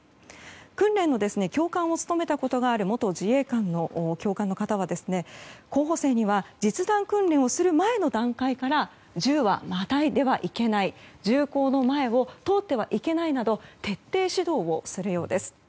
訓練の教官を務めたことがある元自衛官の教官の方は候補生には実弾訓練をする前の段階から銃はまたいではいけない銃口の前を通ってはいけないなど徹底指導をするようです。